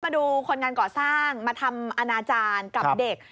มาดูคนงานก่อสร้างมาทำอนาจารย์กับเด็ก